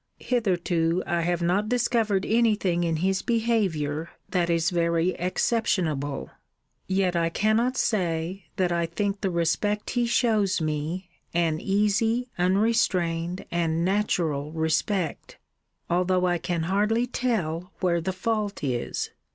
Hitherto I have not discovered any thing in his behaviour that is very exceptionable. Yet I cannot say, that I think the respect he shews me, an easy, unrestrained, and natural respect, although I can hardly tell where the fault is.